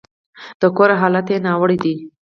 د کور حالت يې ناوړه دی.